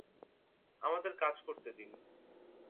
আমাদের কাজ করতে দিন।